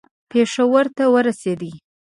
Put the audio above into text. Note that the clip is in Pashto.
پېښور ته ورسېدی.